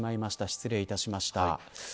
失礼いたしました。